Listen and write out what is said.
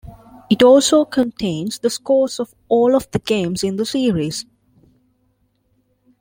It also contains the scores of all of the games in the series.